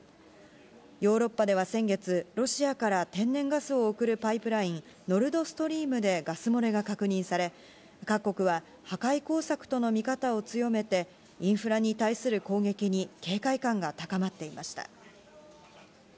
ヨーロッパでは先月、ロシアから天然ガスを送るパイプライン、ノルドストリームでガス漏れが確認され、各国は破壊工作との見方を強めて、インフラに対する攻撃に警戒感が高まっていました。